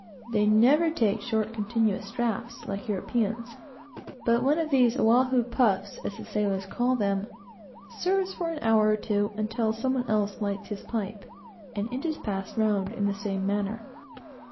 They never take short, continuous draughts, like Europeans, but one of these "Oahu puffs," as the sailors call them, serves for an hour or two, until some one else lights his pipe, and it is passed round in the same manner.